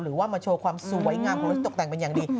หรือว่ามาโชว์ความสวยงามของรถที่ตกแต่งเป็นอย่างดี